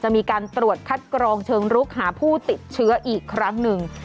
มีการตรวจคัดกรองเชิงรุกหาผู้ติดเชื้ออีกครั้งหนึ่ง